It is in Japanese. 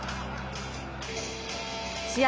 試合